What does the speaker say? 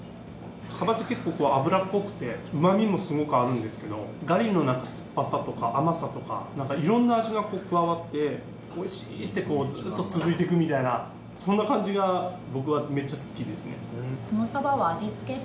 サバって結構脂っぽくてうまみもすごくあるんですけどガリの酸っぱさとか甘さとかいろんな味が加わって美味しいってこうずっと続いていくみたいなそんな感じが僕はめっちゃ好きですね。